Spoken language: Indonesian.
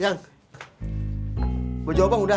yang gue jawab bang udah